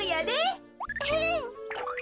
うん。